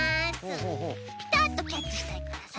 ピタッとキャッチしたいからさ。